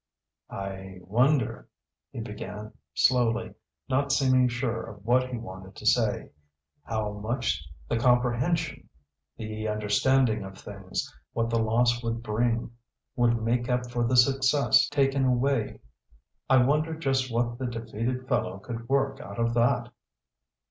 "I wonder," he began, slowly, not seeming sure of what he wanted to say "how much the comprehension, the understanding of things, that the loss would bring, would make up for the success taken away? I wonder just what the defeated fellow could work out of that?"